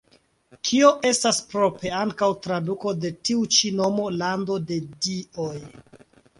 Kio estas propre ankaŭ traduko de tiu ĉi nomo: "Lando de dioj".